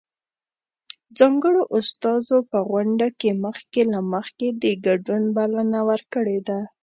ځانګړو استازو په غونډه کې مخکې له مخکې د ګډون بلنه ورکړې ده.